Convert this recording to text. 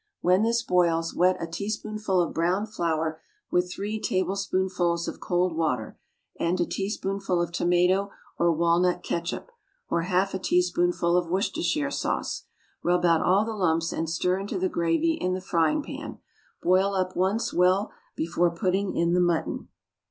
When this boils, wet a teaspoonful of browned flour with three tablespoonfuls of cold water, and a teaspoonful of tomato or walnut catsup, or half a teaspoonful of Worcestershire sauce. Rub out all the lumps and stir into the gravy in the frying pan. Boil up once well before putting in the mutton.